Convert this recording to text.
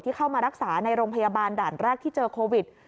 เข้ามารักษาในโรงพยาบาลด่านแรกที่เจอโควิด